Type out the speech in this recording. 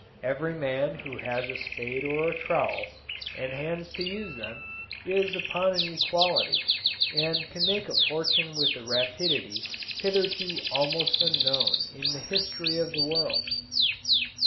Every man who has a spade or a trowel, and hands to use them, is upon an equality, and can make a fortune with a rapidity hitherto almost unknown in the history of the world.